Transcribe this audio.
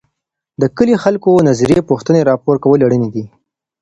د کلي د خلګو نظري پوښتني راپور کول اړیني دي.